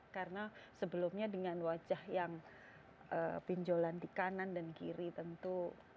karena sebelumnya dengan wajah yang benjolan di kanan dan kiri tentu